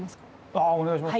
ああお願いします。